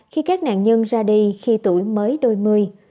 khi các nạn nhân ra đi khi tuổi mới đôi mươi